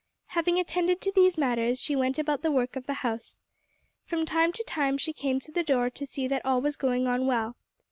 Having attended to these matters, she went about the work of the house. From time to time she came to the door to see that all was going on well.